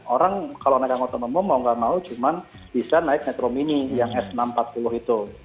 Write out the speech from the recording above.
orang kalau naik angkutan umum mau nggak mau cuma bisa naik metro mini yang s enam ratus empat puluh itu